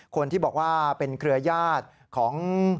คนที่บอกว่าเป็นเครือญาติของ